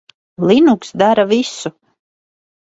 Linux dara visu.